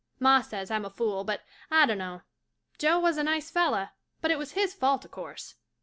Ma says I'm a fool but I donno. Joe was a nice fella but it was his fault a'course.